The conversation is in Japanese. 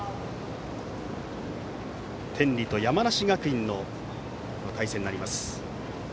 天理と山梨学院の対戦になります。